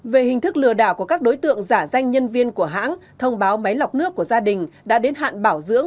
về hình thức lừa đảo của các đối tượng giả danh nhân viên của hãng thông báo máy lọc nước của gia đình đã đến hạn bảo dưỡng